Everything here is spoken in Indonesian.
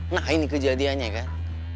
nah ini kejadiannya kan